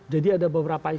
jadi ada beberapa isu